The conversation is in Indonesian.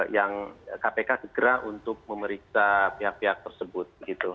yang kpk segera untuk memeriksa pihak pihak tersebut